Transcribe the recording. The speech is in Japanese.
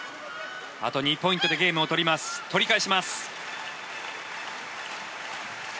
あと２ポイントでゲームを取ります取り返します。